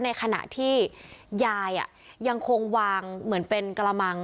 ในขณะที่ยายยังคงวางเหมือนเป็นกระมัง